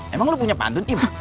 emang lo punya pantun ibu